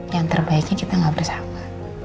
yang terbaiknya kita gak bersama